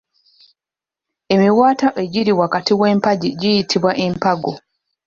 Emiwaatwa egiri wakati w'empagi giyitibwa empago.